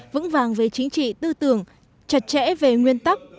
vững vàng về chính trị tư tưởng chặt chẽ về nguyên tắc